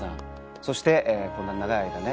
そしてこんな長い間ね